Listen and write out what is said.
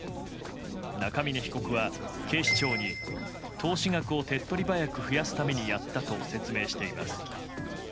中峯被告は警視庁に投資額を手っ取り早く増やすためにやったと説明しています。